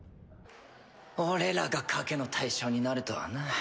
俺らが賭けの対象になるとはな。